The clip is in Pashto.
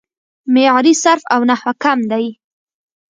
معیاري صرف او نحو کم دی